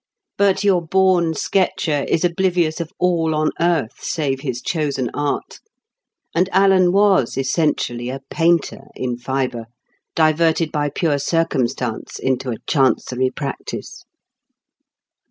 But your born sketcher is oblivious of all on earth save his chosen art; and Alan was essentially a painter in fibre, diverted by pure circumstance into a Chancery practice.